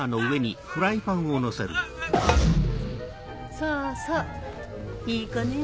そうそういい子ねぇ。